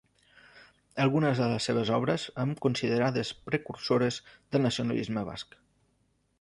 Algunes de les seves obres amb considerades precursores del nacionalisme basc.